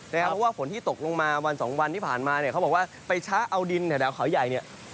เพราะว่าฝนที่ตกลงมาวันสองวันที่ผ่านมาเนี่ยเขาบอกว่าไปช้าเอาดินแถวเขาใหญ่เนี่ย